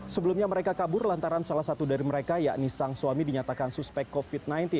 sebelumnya mereka kabur lantaran salah satu dari mereka yakni sang suami dinyatakan suspek covid sembilan belas